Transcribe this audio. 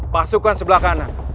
pasukan sebelah kanan